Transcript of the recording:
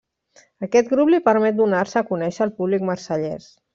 Aquest grup li permet donar-se a conèixer al públic marsellès.